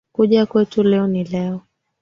Kuja kwetu, leo ni leo